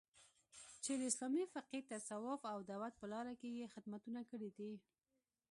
چې د اسلامي فقې، تصوف او دعوت په لاره کې یې خدمتونه کړي دي